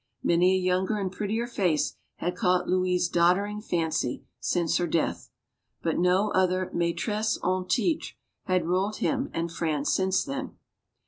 Many a younger and prettier face had caught Louis* doddering fancy, since her death. But no other maitresse en tilre had ruled him and France since then.